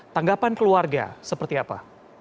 tanggapan keluarga seperti apa